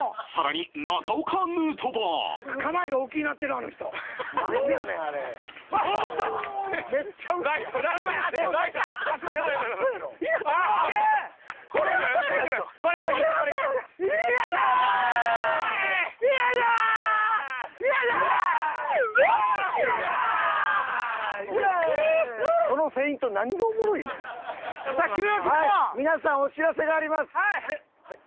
皆さんお知らせがあります。